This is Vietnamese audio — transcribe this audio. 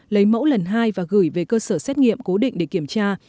lấy mẫu lần hai và gửi về cơ sở xét nghiệm cố định để kiểm tra